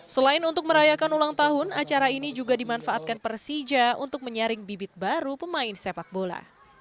selain untuk merayakan ulang tahun acara ini juga dimanfaatkan persija untuk menyaring bibit baru pemain sepak bola